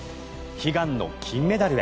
悲願の金メダルへ。